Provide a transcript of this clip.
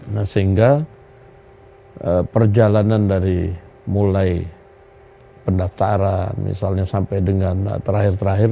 nah sehingga perjalanan dari mulai pendaftaran misalnya sampai dengan terakhir terakhir